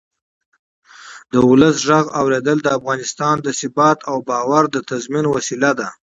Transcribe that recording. د ولس غږ اورېدل د افغانستان د ثبات او باور د تضمین وسیله ده